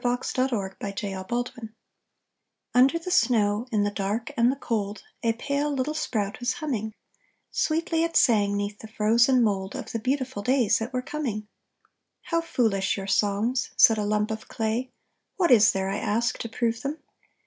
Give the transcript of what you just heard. =The Tendril's Faith= Under the snow in the dark and the cold, A pale little sprout was humming; Sweetly it sang, 'neath the frozen mold, Of the beautiful days that were coming. "How foolish your songs," said a lump of clay, "What is there, I ask, to prove them?